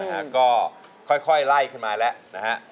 เพลงที่เจ็ดเพลงที่แปดแล้วมันจะบีบหัวใจมากกว่านี้